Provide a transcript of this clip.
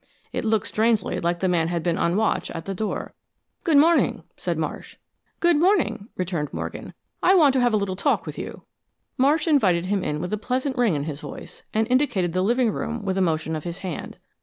It looked strangely like the man had been on watch at the door. "Good morning," said Marsh. "Good morning," returned Morgan. "I want to have a little talk with you." Marsh invited him in with a pleasant ring in his voice, and indicated the living room with a motion of his hand.